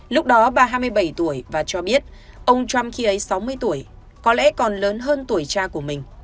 lúc đó bà hai mươi bảy tuổi và cho biết ông trump khi ấy sáu mươi tuổi có lẽ còn lớn hơn tuổi cha của mình